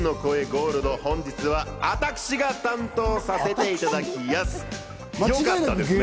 ゴールド、今日はあたくしが担当させていただきます。